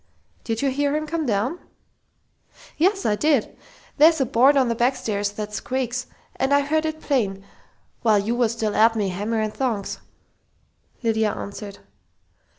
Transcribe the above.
"Did you hear him come down?" "Yes, I did! There's a board on the backstairs that squeaks, and I heard it plain, while you was still at me, hammer and tongs," Lydia answered.